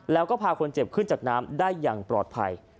แล้วก็พาคนเจ็บขึ้นจากน้ำได้อย่างปลอดภัย